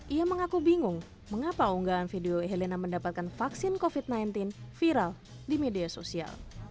ia mengaku bingung mengapa unggahan video helena mendapatkan vaksin covid sembilan belas viral di media sosial